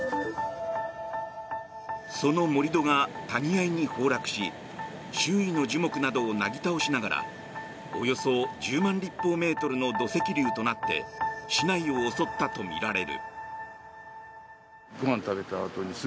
その盛り土が谷あいに崩落し周囲の樹木などをなぎ倒しながらおよそ１０万立方メートルの土石流となって市内を襲ったとみられる。